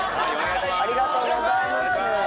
ありがとうございます。